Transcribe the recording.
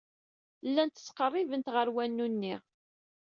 Llant ttqerribent ɣer wanu-nni.